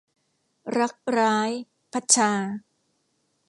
รักร้าย - พัดชา